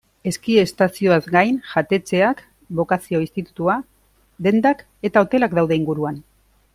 Eski-estazioaz gain, jatetxeak, bokazio-institutua, dendak eta hotelak daude inguruan.